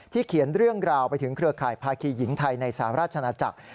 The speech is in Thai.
เขียนเรื่องราวไปถึงเครือข่ายภาคีหญิงไทยในสหราชนาจักร